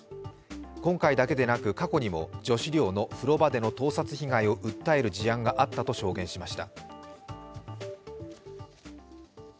今回だけでなく過去にも女子寮の風呂場での盗撮被害を訴える事案があったと証言しました。